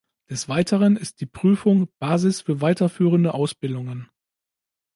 Des Weiteren ist die Prüfung Basis für weiterführende Ausbildungen.